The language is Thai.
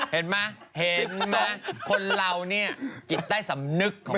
เห็นไหมคนเรานี่จิตใต้สำนึกของมัน